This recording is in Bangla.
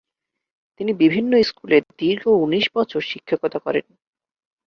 তিনি বিভিন্ন স্কুলে দীর্ঘ উনিশ বছর শিক্ষকতা করেন।